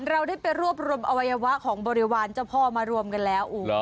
เราได้ไปรวบรวมอวัยวะของบริวารเจ้าพ่อมารวมกันแล้ว